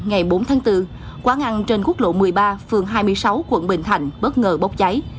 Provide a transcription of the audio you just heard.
hôm tháng bốn quán ăn trên quốc lộ một mươi ba phường hai mươi sáu quận bình thành bất ngờ bốc cháy